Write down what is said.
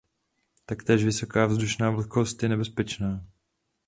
Taktéž vysoká vzdušná vlhkost je nebezpečná.